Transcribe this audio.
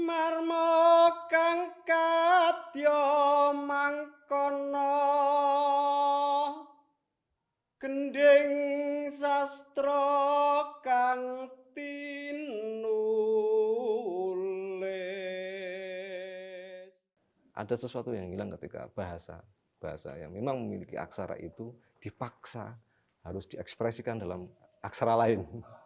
ada sesuatu yang hilang ketika bahasa bahasa yang memang memiliki aksara itu dipaksa harus diekspresikan dalam aksara lain